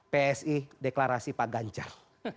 psi deklarasi pak ganjar